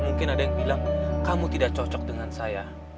mungkin ada yang bilang kamu tidak cocok dengan saya